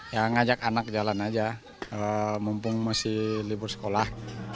ya ngajak anak jalan aja mumpung masih libur sekolah